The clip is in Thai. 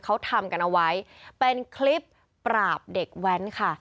เขาทำกันเอาไว้เป็นคลิปปราบเด็กแว้นค่ะ